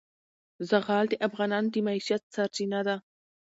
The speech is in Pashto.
زغال د افغانانو د معیشت سرچینه ده.